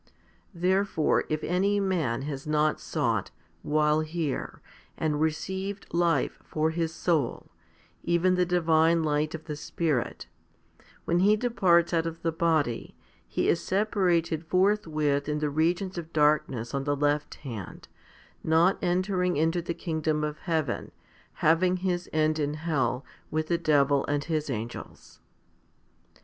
1 Therefore if any man has not sought, while here, and received life for his soul, even the divine light of the Spirit, when he departs out of the body, he is separated forthwith in the regions of darkness on the left hand, not entering into the kingdom of heaven, having his end in hell with the devil and his angels.